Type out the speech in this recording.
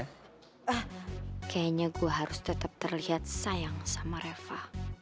ah kayaknya gue harus tetap terlihat sayang sama reva